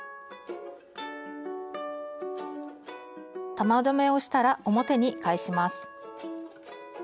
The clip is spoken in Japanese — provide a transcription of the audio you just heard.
玉留めをしたら表に返します。